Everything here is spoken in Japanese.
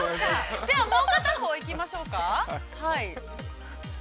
では、もう片方行きましょうか。